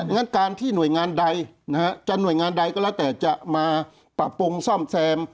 งั้นการที่หน่วยงานใดจะหน่วยงานใดก็แล้วแต่จะมาปรับปรุงซ่อมแซม